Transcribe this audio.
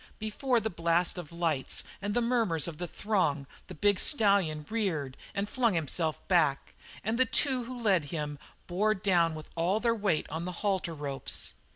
Before the blast of lights and the murmurs of the throng the big stallion reared and flung himself back, and the two who lead him bore down with all their weight on the halter ropes.